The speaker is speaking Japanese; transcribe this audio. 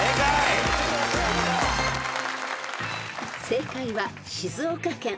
［正解は静岡県。